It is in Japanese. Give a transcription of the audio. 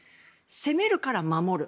攻めるから守る。